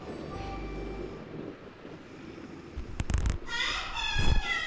・パンタンさん！